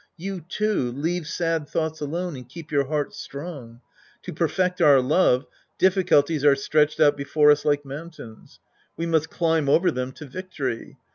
You, too, leave sad thoughts alone and keep your heart strong. To perfect our love, difficulties are stretched out before us like mountains. We must climb over them to victory.